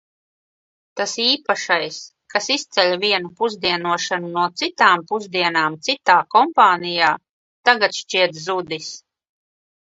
Tas īpašais, kas izceļ vienu pusdienošanu no citām pusdienām citā kompānijā, tagad šķiet zudis.